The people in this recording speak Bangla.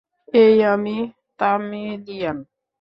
এই, আমি তামিলিয়ান।